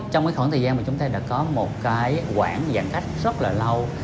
trong khoảng thời gian mà chúng ta đã có một quảng giãn cách rất là lâu